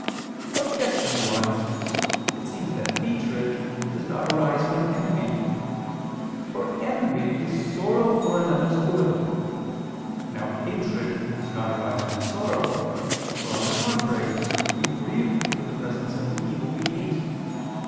Objection 1: It seems that hatred does not arise from envy. For envy is sorrow for another's good. Now hatred does not arise from sorrow, for, on the contrary, we grieve for the presence of the evil we hate.